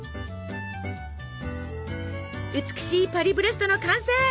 美しいパリブレストの完成！